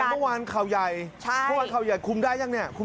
เมื่อวานเขาใหญ่คุมได้หรือยัง